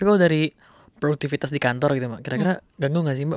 tapi kalau dari produktivitas di kantor gitu mbak kira kira ganggu gak sih mbak